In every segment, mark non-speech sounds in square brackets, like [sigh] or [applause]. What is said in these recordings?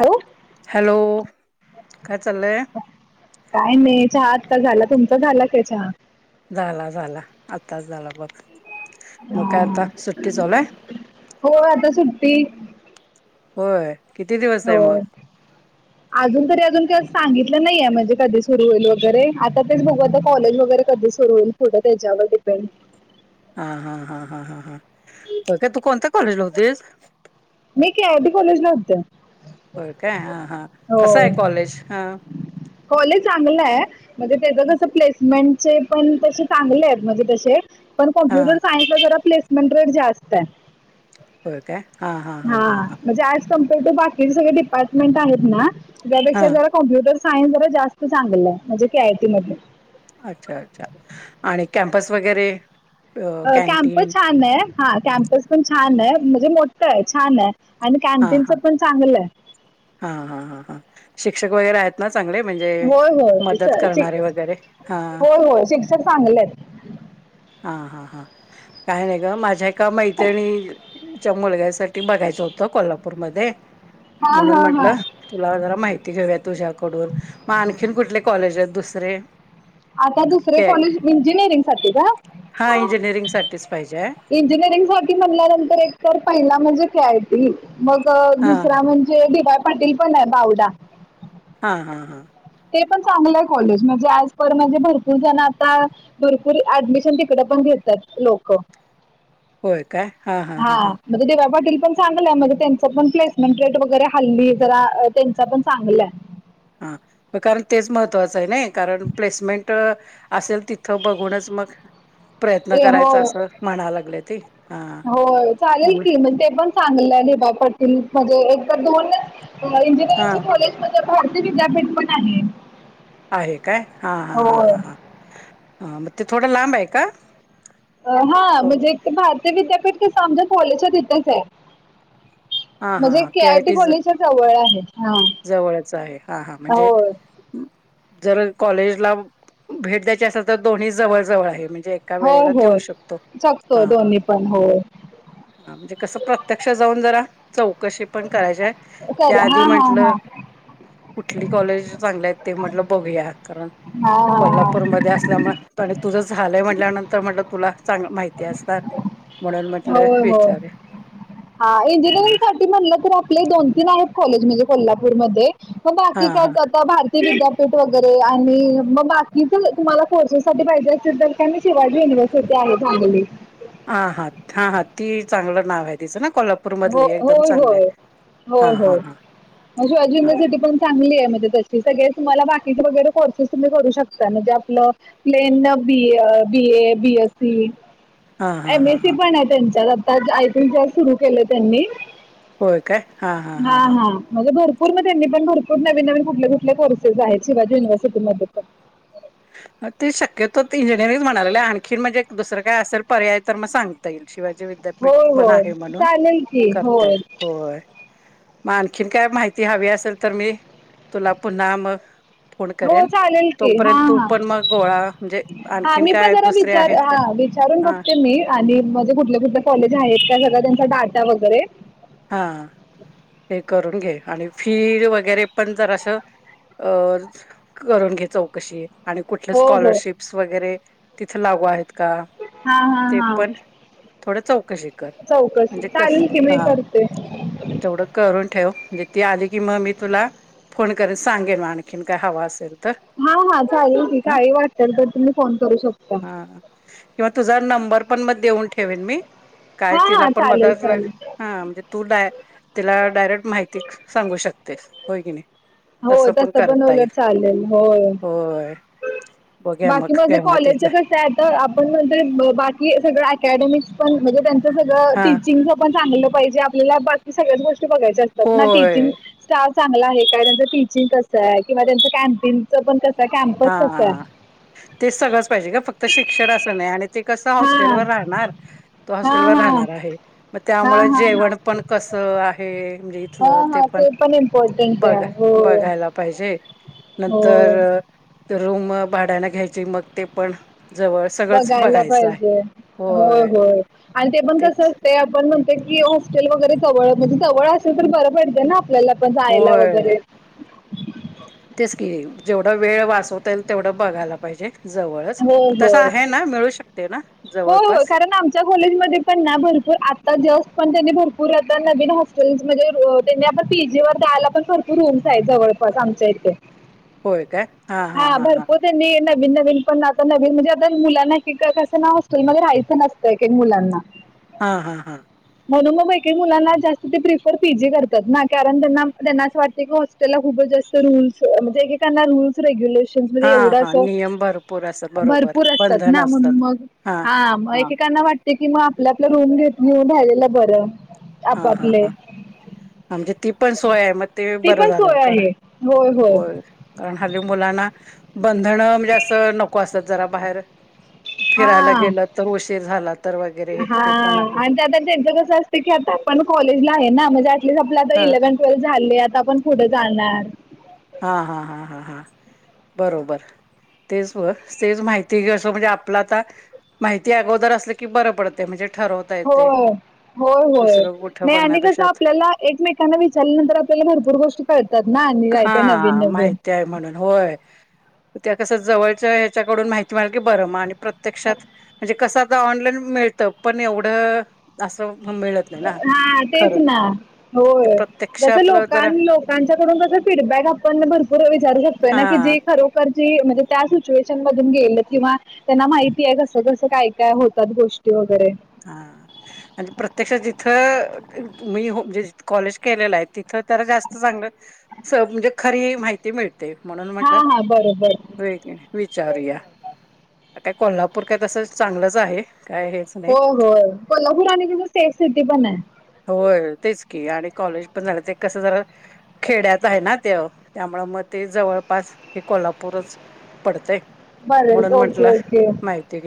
हो. हॅलो, काय चाललंय? काय नाही, चहा आत्ता झाला, तुमचा झाला काय चहा? झाला, झाला. आताच झाला बघ. मग काय आता सुट्टी चालू हाय? हो आता सुट्टी होय. किती दिवस हो. [unintelligible] अजून तरी अजून काय सांगितलं नाहीये, म्हणजे कधी सुरू होईल वगैरे. आता तेच बघू आता कॉलेज वगैरे कधी कर कुठं त्याच्यावर डिपेंड हा हा हा हा हा हा [unintelligible] तू कोणत्या कॉलेजला होतीस? मी' के आर डी कॉलेज 'ला होते. बरं काय, हा हा, हो कस आहे कॉलेज? हा कॉलेज चांगलं आहे. म्हणजे त्याच हा कसं प्लेसमेंटचे पण तसे चांगले आहेत. म्हणजे तसे पण हा. कॉम्प्युटर सायन्सला जरा प्लेसमेंट रेट जास्त हाय. हो का? हा म्हणजे ज कम्पेअर्ड टू बाकीचे सगळे डिपार्टमेंट आहेत ना हा त्यापेक्षा जरा कॉम्प्युटर सायन्स जरा जास्त चांगलं आहे म्हणजे के आयटी मध्ये अच्छा अच्छा आणि कॅम्पस वगैरे अ कॅम्प छान आहे. हा कॅम्पस पण छान आहे म्हणजे मोठं आहे छान आहे आणि हा कॅन्टीनच हा पण चांगलं आहे. हा हा हा हा शिक्षक वगैरे आहेत ना चांगले म्हणजे होय होय मदत स- करणारे वगैरे हा चांगलेत हा हा हा काय नाही ग माझ्या का मैत्रीणीच्या मुलग्यासाठी बघायचं होत कोल्हापूरमध्ये हा म्हणुन हा हा म्हटलं तुला जरा माहिती घेऊया तुझ्याकडून मग आणखीन कुठले कॉलेज आहेत दुसरे आता दुसरे कॉलेज इंजिनिअरिंगसाठी का? हां इंजिनिअरिंगसाठीच पाहिजे आहे. इंजिनिअरिंग साठी म्हणल्यानंतर एक तर पहिला म्हणजे [unintelligible] मग हा दुसरा म्हणजे डी वाय पाटील पण आहे बावडा हा हा हा ते पण चांगलं आहे कॉलेज म्हणजे आजपर म्हणजे भरपूर जण आता भरपूर ऍडमिशन तिकडं पण घेतात लोकं. होय काय हा हा हा हा म्हजे डी वाय पाटील पण चांगलंय म्हणजे त्यांच पण प्लेसमेंट रेट वगैरे हल्ली जरा त्यांचा पण चांगला हाय. हा म कारण तेच महत्त्वाचं आहे ना कारण प्लेसमेंट असेल तिथं बघूनच मग प्रयत्न ए हो करायचा असं म्हणाय लागल्याती हा म्हण ते पण चांगलं डी वाय पाटील मध्ये एक तर दोनच इंजिन हा कॉलेज मध्ये भारती विद्यापीठ पण आहे. आहे काय हा हा हा होय ह, हा मग ते थोडं लांब आहे का? हा अ, म्हणजे ते भारती विद्यापीठ तिथं आमच्या कॉलेजच्या तिथंच हाय म्हणजे के आय टी कॉलेजच्या जवळ आहे. हा जवळच आहे हा हा म्हणजे होय जर कॉलेजला भेट द्यायची असेल तर दोन्ही जवळ जवळ आहे म्हणजे एका होय वेळेला देऊ होय शकतो जपतोय हा हा दोन्ही पण होय. हा म्हणजे कसं प्रत्यक्ष जाऊन जरा चौकशी पण करायची आहे कर त्या आधी हा म्हण हा हा कुठली कॉलेज चांगल्या आहेत ते म्हटलं बघूया कारण हा हा कोल्हापूरमध्ये असल्यामुळे बरं तुझं झालयं म्हटल्यानंतर म्हटलं तुला चांगलं माहिती असणार. म्हणून म्हटलं होय होय विचार हा इंजिनिअरिंग सा म्हणलं तर आपले दोन तीन आहेत कॉलेज म्हणजे कोल्हापूर मध्ये पण हा बाकी काय हा ते विद्यापीठ वगैरे आणि मग बाकी ज तुम्हाला कोर्सेस साठी पाहिजे असेल तर आणि शिवाजी युनिव्हर्सिटी आहे चांगली. हा हा हा हा ती चांगलं नाव आहे तिचं ना कोल्हाप हो होय होय हा होय हा होय. हा शिवाजी हा युिव्हर्सिटी पण चांगली आहे म्हणजे तशी सगळे तुम्हाला बाकीचे वगैरे कोर्सेस तुम्ही करू शकता म्हणजे आपलं plain B A B A B S C. हा हा एम हा एस हा सी पण आहे त्यांच्यात आता आयसी सुरू केलं त्यांनी होय काय हा हा हा हा म्हणजे भरपूर म त्यांनी पण भरपूर नवी नवीन कुठले कुठले कोर्सेस आहेत शिवाजी युनवर्सिटीमध्ये पण ते शक्यतो इंजिनिअरिंग म्हणाले आणखी म्हणजे एक दुसरं काय असेल पर्याय तर मग सांगता येईल शिवाय होय होय चालेल की होय. हो मग आणखीन काय माहिती हवी असेल तर मी तुला पुन्हा मग फोन हो करेन चालेल की हा तोपर्यंत तु हा मग गोळा म्हणजे हा आणखीन मी पण काय जरा दुसरे विचार आहेत का हा विचारून हा बघते मी आणि म्हणजे कुठले कुठले कॉलेज आहेत का सगळं त्यांचा डाटा वगैरे हा हे करून घे आणि फीड वगैरे पण जर असं अ करून घे चौकशी. आणि कुठले हो हो स्कॉलरशिप्स वगैरे तिथे लागू आहेत का हां हां ते हां पण थोडं चौकशी कर चौकशी म्हणजे कस चालेल की मी हा करते. तेवढं करून ठेव म्हणजे ती आली की मग मी तुला फोन करन सांगेन आणखीन काय हवा असेल तर हा हा चालेल त ह काही वाटल तर तुम्ही फोन करू शकता. हा किंवा तुझा नंबर पण मग देऊन ठेवेन मी, काय हां तिला हां पण चालेल मदत - वैगे चालेल हा म्हणजे तू डाय तिला डायरेक्ट माहिती सांगू शकतेस होय की नाही. हो तसं पण उलट चालेल होय. होय बघ्या बाकी मग माझे केव्हा कॉलेज तेच आहे क आता आपण पण बाकी सगळ अकॅडमिक्स पण म्हणजे त्यांच सगळं हा टीचिंग पण चांगलं पाहिजे आपल्याला बाकी सगळ्याच गोष्टी बघायच्या असतात ना टीचिंग होय स्टाफ चांगला आहे काय. टीचिंग कसं आहे किंवा त्यांच कॅन्टीन पण कस काम हा हा. ते सगळंच पाहिजे का फक्त शिक्षण असं नाही आणि ते कसं हा हॉस्टेलवर राहणार. तो हा हॉस्टेलवरर हा राहणार आहे मग हा त्यामुळे हा हा जेवण पण कस आहे म्हणजे हा ते हा पण इम्पॉर्टंट बघ आहे होय बघायला. पाहिजे होय. नंतर रूम भाड्याना घ्यायचे मग ते पण जवळ सगळंच बघायला बघायचं आहे पाहिजे होय होय आणि ते पण कस ते आपण म्हणत की हॉस्टेल वगैरे जवळ म्हणजे जवळ असेल तर बरं पडत ना. आपल्याला पण जायला होय वगैरे. तेच की जेवढ वेळ वाचवता येईल तेवढं बघायला पाहिजे जवळच तस आहे ना मिळू शकते ना. हो हो जवळपास खर ना आम च्या कॉलेजमध्ये पण ना भरपूर आता जस्ट पण त्यांनी भरपूर आता नवीन हॉस्टेल्स म्हणजे त्यांनी आपता पी जी वर द्यायला पण भरपू रूम्स आहेत जवळपास आमच्या इथे. होय काय, हा, हा, हां हा, हा. भरपूर नवीन नवीन पण आता नवीन म्हणजे आता मुलांना एकका कसं ना हॉस्टेल मध्ये राहायचं नसतं एक एक मुलांना हा हा हा म्हणून मग एकही मुलांना जास्त ते प्रिफर पी जी करतात ना कारण त्यांना त्यांना असं वाटते की त्याला खूपच जास्त रूल् म्हणजे एकेना रू रेग्युलेशन हा एवढ हा नियम भरपूर असतात बरोबर भरपूर असतात बंधन ना मग हा मग एकेकांना वाटते की मग आपल्या आपला रूम घेत घेऊन राहिलेलं बरं. आप आपले आमचे याती पण सोय आहे मग ते ती बरं पण झालं सोय कार आहे होय. कारण हली मुलांना बंधन म्हणजे असं नको असत जरा बाहेर फिरायला हा गेलं तर उशीर झाला तर वगैरे हा ते पण आहे. [unintelligible] त्यांचं कसं असं की आता आपण कॉलेजला आहे ना म्हणजे ऍट लिस्ट आपलं आ हा इलेव्हन ट्वेल्थ झाले आता आपण पुढे जाणार. हा हा हा हा हा बरोबर. तेच ब तेच माहिती घे असं म्हणजे आपला आता माहिती अगोदर अस की बरं पडते म्हणजे ठरवत होय होय होय कुठं नाही आणि कसं बघण्यापेक्षा आपल्याला एकमेकांना विचलल्या नंतर आपल्याला भरपूर गोष्टी कळतात ना आणि काय काय नवीन हा नवीन माहिती आहे म्हणून होय, त्या कस जवळच्या ह्याच्याकडून माहिती बर मगं आणि प्रत्यक्षात म्हणजे कसं आता ऑनलाईन मिळत पण एवढं असं मिळत नाही ना हा तेच खरं ना ते प्रत्यक्ष आपलं जरा त्यांच्याकडून तस फीडबॅक आपण भरपूर विचारू शकतोय हा ना की जे खरं म्हणजे त्या सिच्युएशन मधून गेले किंवा त्यांना माहिती आहे कसं कसं काय काय होतात गोष्टी वगैरे. हा आणि प्रत्यक्षात जिथं मी म्हणजे जिथं कॉलेज केलेलं आहे तिथं तर त्या जास्त चांगलं म्हणजे खरी माहिती मिळते म्हणून हा म्हटलं. हा बरोबर व्हय की नाही विचारूया काय कोल्हापूर काय तसं चांगलंच आहे काय हे हो हो कोल्हापूर आणि कसं सेफ सिटी पण आहे. हो तेच की आणि कॉलेज पण झालं ते कसं जरा खेड्यात आहे ना तोय त्यामुळ मग ते जवळपास हे कोल्हापूरच पडतेय म्हणून बरं म्हटलं ओके ओके माहती.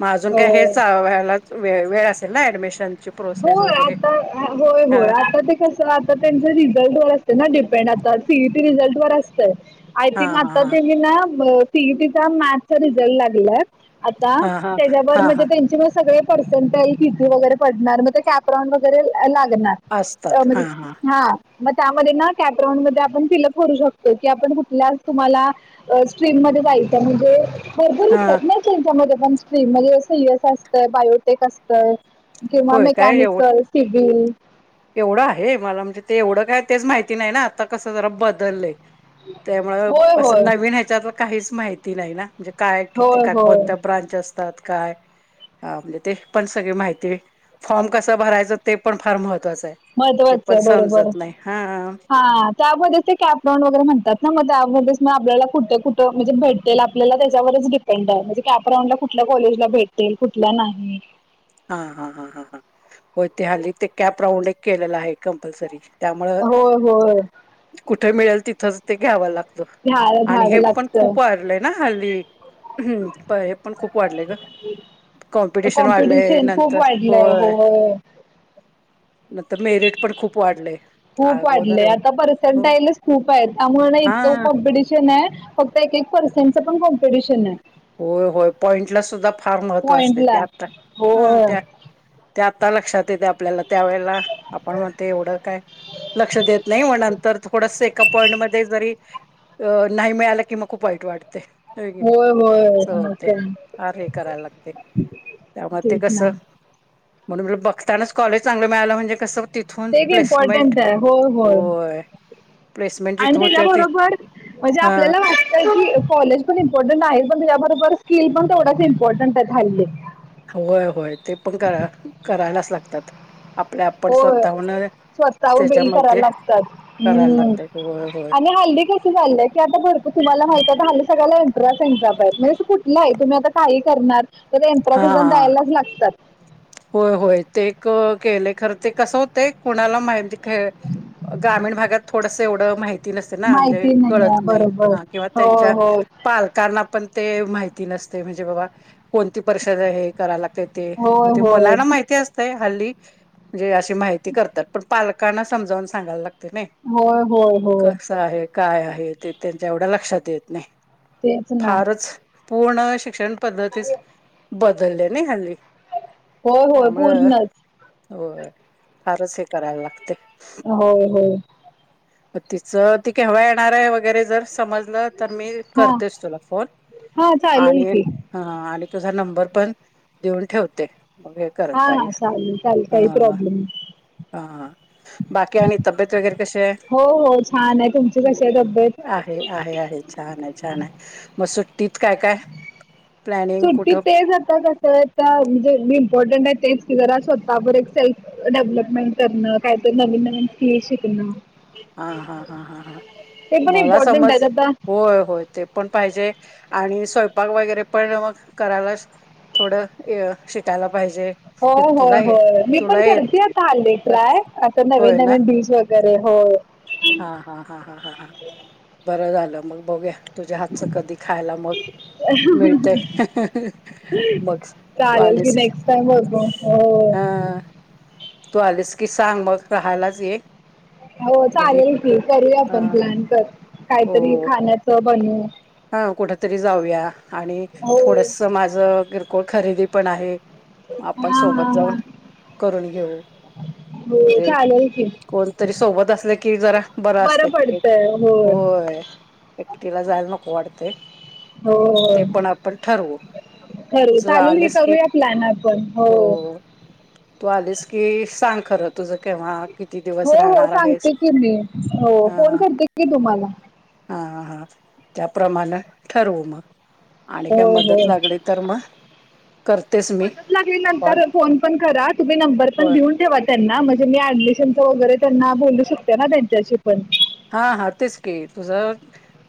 मगं अजून काय हे होय. ह्यालाच वेळ असेल ना ऍडमिशन ची प्रोसेस होय वगैरे. आता होय ह होय. आता ते कस आता त्यांच रिझल्ट वर असतं ना डिपेंड आता सी ई टी रिझल्ट वर असतं आय हा थिंक हा आता हा ते म ना सी ई टी चा मॅथ्स चा रिझल्ट लागलाय. आता हा हा हा त्याच्यावर हा म्हणजे त्यांचे मग सगळे पर्सेंटाइज वगैरे पडणार म कॅपराऊंड वगैरे लागणार असतात हा म्हणजे हा मग त्यामध्ये ना कॅप् राऊंड मध्ये आपण फिलअप करू शकतो की आपण कुठल्या तुम्हाला स्ट्रीम मध्ये जायचं म्हणजे ख हा च्या म पण्ट्रीम म्हणजे सस असतं बायोटेक असतं किंवा होय काय एवढ मेकॅनिकल सिविल एवढं आहे मला म्हणजे ते एवढं काय तेच माहिती नाही ना आता कसं जरा बदललेय. त्यामुळ होय असं होय. नवीन ह्याच्यातलं काहीच माहिती नाही ना म्हणजे काय किती होय काय होय. कोणत्या ब्रांच असतात काय? ह म्हणजे ते पण सगळी माहिती फॉर्म कस भरायचं ते पण फार महत्त्वाचं आहे. ते महत्वाचं पण आहे बरोबर समजत नाही हा हा. त्यामध्ये ते कॅपराऊंड वगैरे म्हणतात ना मग त्यामध्येच मग आपल्याला कुठे कुठं म्हणजे भेटेल आपल्याला त्याच्यावरच गिफ्ट म्हणजे कपराऊंड ला कुठल्या कॉलेजला भेटेल कुठल्या नाही. हा हा हा ह हा हो ते हल्ली ते कॅप राऊंड एक केलेलं आहे. कंपलसरी त्यामुळे होय होय. कुठे मिळेल तिथच ते घ्याव लागत. घ्यायला आणि घ्यावं हे पण लागतं. खूप आरलं. हा हल्ली हे पण खूप वाढलंय गं कॉम्पिटिशन वा कॉम्पिटिशन खूप नंतर वाढलंय होय नंतर मेरिट पण खूप वाढलेय. खूप वाढले आता पर्सेंटाईलेस खूप आहेत त्यामुळे हा इतकं कॉम्पिटिशन आहे. फक्त एक एक पर्सेंटचं पण कॉम्पिटिशन आहे. होय, होय पॉईंटला सुद्धा फार महत्त्व असते पॉइंटला. त्यात हं होय. त्या ते आत्ता लक्षात येते आपल्याला त्यावेेळेला आपण मग ते एवढं काय लक्ष देत नाही मग नंतर थोडस एका पॉईंटमध्येध्ये जरी अं नाही मिळाला कि मग खूप वाईट वाटते, होय की नाही. होय असं मग होते काय फार हे करायला लागते त्यामुळे ते तेच कस ना म्हणून बघतानाच कॉलेज चांगलं मिळालं म्हणजे कसं तिथून ते बी प्लेसमेंट इम्पॉर्टंट आहे हो होय. प्लेसमेंट आणि जिथं होत्या ते त्याच्याबरोबर म्हणजे हा आपल्याला वाट कॉलेज पण इम्पॉर्टंट नाही पण त्याच्याबरोबर स्किल पण तेवढ्याच इम्पॉर्टंट आहे हल्ली होय होय ते पण करा करायलाच लागतात आपल्या आपण स्वतः हून स्वतः उ बेल कराला लागतात करायला हम्म लागतय होय होय आणि हल्ली कस झालंय की आता भरपू तुम्हाला माहित आ सगळला एंट्र एंटा आहेत म्हणजे अस कुठलं आहे तुम्ही आता काही करणार तर एनट्रनस एक्झाम हा द्यायलाच लागतात होय होय ते केले खर ते कसं होतेय कुणाला माहिती ग्रामीण भागात थोडसं एवढं माहिती ना म्हणजे माहिती कळत आहे नाही बरोबर किंवा होय त्यांच्या होय पाल पण ते माहिती नसतेय म्हणजे बा कोणती परिषद करा लाग ते होय मला होय ना मा माहिती असते हल्ली म्हणजे अशी माहिती करतात पालकना समजावून सा होय होय होय काय आहे ते त्यांच्या एवढ्या लक्षात येत नाही तेच ना फारच पूर्ण शिक्षण पद्धती बदललेने हल्ली होय होय त्यामुळं पूर्णच हो फारच हे करायला लागते. हो हो तिचं ती केव्हा येणार आहे वगैरे जर समज तर मी हा करतेस तुला फोन हा चालेल आणि की हा आणि तुझा नंबर पण देऊन ठेवते. हा करता हा येईल चालेल चालेल काही हा प्रॉब्लेम नाही. हा बाकी आणि तब्येत वगैरे कशी आहे हो हो छान आहे कशी आहे तब्येत आहे आहे आहे छान आहे छान आहे मग सुट्टीत काय काय प्लॅनिंग सुट्टी कुठं ते जाता कसं म्हणजे इंपॉर्टंट आहे ते कि जरा स्वतः एक सेल्फ डेव्हलपमेंट करणं काहीतरी नवीन नवीन स्किल शिकणं हा हा हा हा ह ते पण मला इम्पॉर्टंट समज आहेत आता होय होय ते पण पाहिजे आणि स्वयंपाक वगैरे पण मग करायलाच थोडं शिकायला पाहिजे. होय होय तुला ये होय मी पण तुला करते येत आता हल्ली तर ट्राय आता होय नवीन ना नवीन डिश व वगैरे होय. हा हा हा ह ह बरं झालं मग बघुया तुझ्या हातचं कधी खायला मग मिळतंय मग तू चालेल आलीस की नेक्स्ट टाइम बघू हो हा तू आलीस की सांग मग राहायलाच ये. हो घरी चालेल की करूया हा आपण प्लॅन तर हो काहीतरी खाण्याच बनवू. हा कुठ तरी जाऊया आणि हो थोडसं माझे किरकोळ खरेदी पण आहे. आपण हा सोबत हा हा जाऊन करून घेऊ. हो म्हणजे चालेल. की कोणतरी सोबत असले कि जरा बरं असतय.. होय एकटीला जायला नको वाटते ते पण आपण ठरवू ठरू तुझं चालेल मी आलेस की करूया प्लन आपण, हो. तू आलीस की सांग खरं तुझ केव्हा किती हो दिवस हो राहणार आहेस सांगते की मी हो हा फोन करते की तुम्हाला हा हा त्याप्रमाणे ठरवू मग आणि काय होय मदत होय लागली. तर मग करतेस. मदत लागली नंतर फोन पण करा तुम्ही नंबर पण होय घेऊन ठेवा. त्यांना म्हणजे मी ऍडमिशनच वगैरे त्यांना बोलू शकते ना त्यांच्याशी पण हा हा तेच की तुझं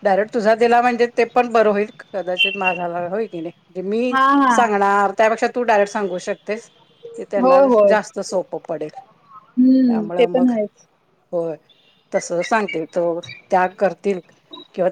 डायरेक्ट तुझा दिला म्हणजे ते पण बरं होईल कदाचित माझा होय की नाही. म्हजे मी हा हा सांगणार त्यापेक्षा तू डायरेक्ट सांगू शकतेस. ते त्यांना जास्त सोपं पडेल. हुं ते त्यामुळं मग पण आहेच. होय तस सांगतील तर त्या करतील किंवा